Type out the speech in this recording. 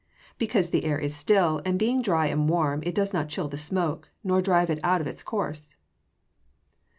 _ Because the air is still, and being dry and warm it does not chill the smoke, nor drive it out of its course.